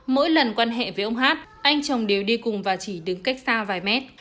mỗi lần quan hệ với ông hát anh chồng đều đi cùng và chỉ đứng cách xa vài mét